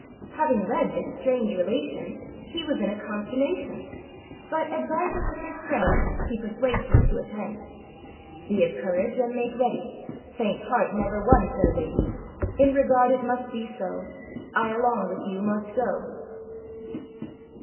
Having read this strange relation, He was in a consternation; But, advising with his friend, He persuades him to attend. âBe of courage, and make ready, Faint heart never won fair lady; In regard it must be so, I along with you must go.